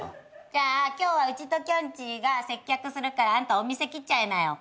じゃあ今日はうちときょんちぃが接客するからあんたお店来ちゃいなよ。